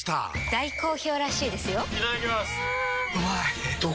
大好評らしいですよんうまい！